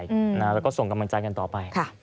แล้วก็ส่งกำลังใจกันต่อไป